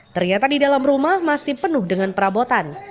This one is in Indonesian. ternyata di dalam rumah masih penuh dengan perabotan